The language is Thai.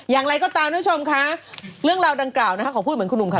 อย่างไรก็ตามท่านผู้ชมคะเลขดังกล่าวของพูดเหมือนคุณอุ๋มค่ะ